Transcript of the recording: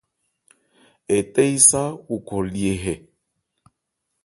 Ɛ tɛ́ yí sá o khɔ lye hɛ.